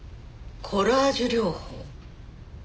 コラージュ療法。